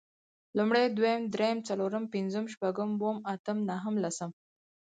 لومړی، دويم، درېيم، څلورم، پنځم، شپږم، اووم، اتم، نهم، لسم